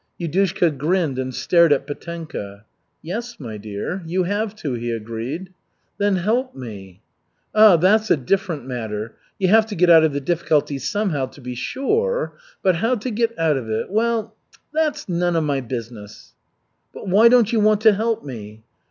Yudushka grinned and stared at Petenka. "Yes, my dear, you have to," he agreed. "Then help me." "Ah, that's a different matter. You have to get out of the difficulty somehow, to be sure, but how to get out of it well, that's none of my business." "But why don't you want to help me?"